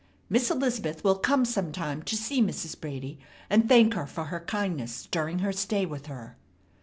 Miss Elizabeth will come sometime to see Mrs. Brady, and thank her for her kindness during her stay with her."